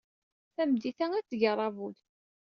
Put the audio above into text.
Tameddit-a, ad d-teg aṛabul.